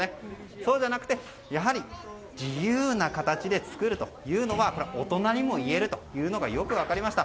そうじゃなくてやはり自由な形で作るというのは大人にもいえるというのがよく分かりました。